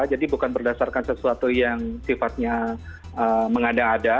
jadi bukan berdasarkan sesuatu yang sifatnya mengada ada